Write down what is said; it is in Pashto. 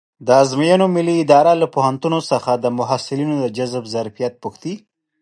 د ازموینو ملي اداره له پوهنتونونو څخه د محصلینو د جذب ظرفیت پوښتي.